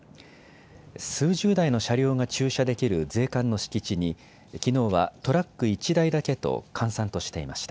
数十台の車両が駐車できる税関の敷地にきのうはトラック１台だけと閑散としていました。